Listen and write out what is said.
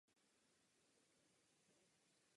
Myslím si, že je to evidentní.